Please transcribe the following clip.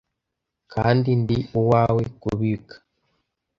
kandi ndi uwawe kubika.